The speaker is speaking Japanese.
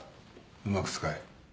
うまく使え。